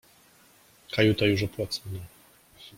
— Kajuta już opłacona!